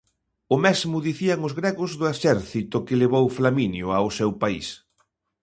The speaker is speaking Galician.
O mesmo dicían os gregos do exército que levou Flaminio ao seu país.